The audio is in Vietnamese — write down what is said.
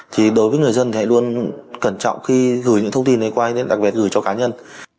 thì đối với người dân thì hãy luôn cẩn trọng khi gửi những thông tin đấy qua internet đặc biệt gửi cho cá nhân